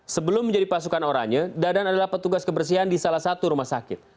sebelum menjadi pasukan oranye dadan adalah petugas kebersihan di salah satu rumah sakit